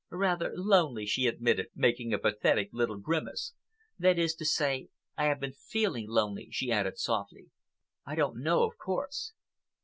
"Rather lonely," she admitted, making a pathetic little grimace. "That is to say I have been feeling lonely," she added softly. "I don't now, of course.